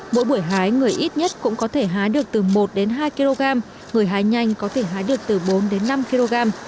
mỗi buổi hái người ít nhất cũng có thể hái được từ một đến hai kg người hái nhanh có thể hái được từ bốn đến năm kg